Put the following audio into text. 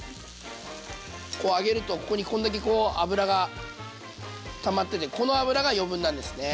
こう上げるとここにこんだけこう脂がたまっててこの脂が余分なんですね。